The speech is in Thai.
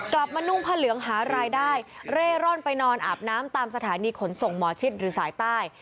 มานุ่งผ้าเหลืองหารายได้เร่ร่อนไปนอนอาบน้ำตามสถานีขนส่งหมอชิดหรือสายใต้